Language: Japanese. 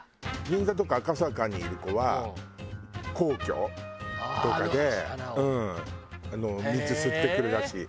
銀座とか赤坂にいる子は皇居とかでうんミツ吸ってくるらしい。